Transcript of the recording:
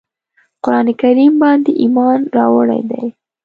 قرآن کریم باندي ایمان راوړی دی.